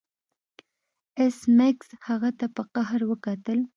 ایس میکس هغه ته په قهر وکتل